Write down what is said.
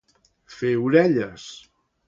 Fer orelles.